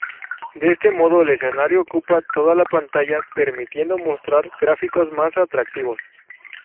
De este modo el escenario ocupa toda la pantalla permitiendo mostrar gráficos más atractivos.